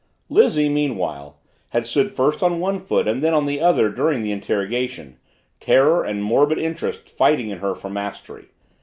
Lizzie, meanwhile, had stood first on one foot and then on the other during the interrogation, terror and morbid interest fighting in her for mastery.